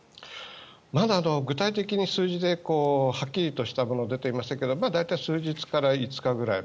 まだ具体的に数字ではっきりとしたものは出ていませんが大体、数日から５日くらい。